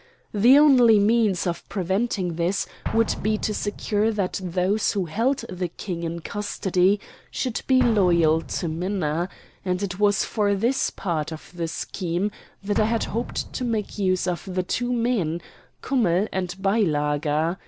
The only means of preventing this would be to secure that those who held the King in custody should be loyal to Minna; and it was for this part of the scheme that I had hoped to make use of the two men, Kummell and Beilager.